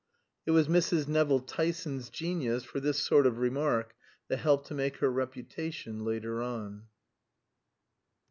It was Mrs. Nevill Tyson's genius for this sort of remark that helped to make her reputation later on.